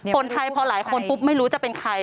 คนไทยพอหลายคนปุ๊บไม่รู้จะเป็นใคร